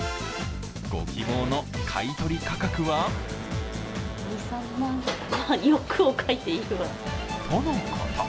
ご希望の買取価格は？とのこと。